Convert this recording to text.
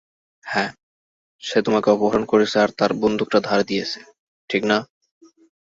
হ্যাঁ, সে তোমাকে অপহরণ করেছে আর তার বন্দুকটা ধার দিয়েছে, ঠিক না?